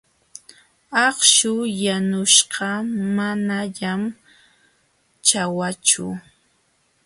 Akśhu yanuśhqa manañan ćhawachu.